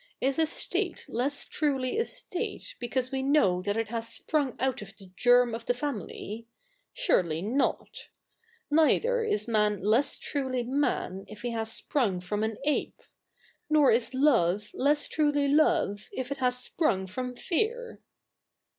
Is a state less truly a state because we k7iaw that it has sprirng out of the ger7n of the family ? Su7'ely 7iot. 78 THE NEW REPUBLIC [bk. ii Neither is man less truly man if he has sprung from an ape ; 7ior is love less truly love if it has sprung fro7n fear.